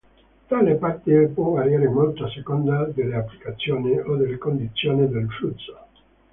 Tale parte può variare molto a seconda delle applicazioni o delle condizioni del flusso.